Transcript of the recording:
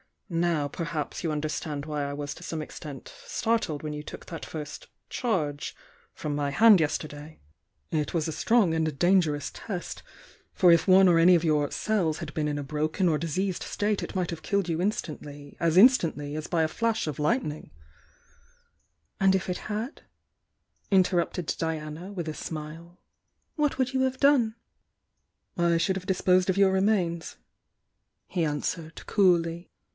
Now, per haps, you understand why I was to some extent startled when you took that first 'charge' from my hand yesterday, — it was a strong and a dangerous test, — for if one or any of your 'cells' had been in a broken or diseased state it might have killed you instantly — as instantly as by a flash of li^t ning " "And if it had," interrupted Diana, with a smile — "what would you have done?" "I should have disposed of your remains," he an swered, coolly.